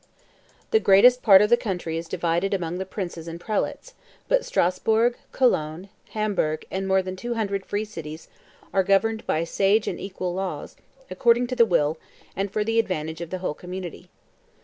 The greatest part of the country is divided among the princes and prelates; but Strasburg, Cologne, Hamburgh, and more than two hundred free cities, are governed by sage and equal laws, according to the will, and for the advantage, of the whole community.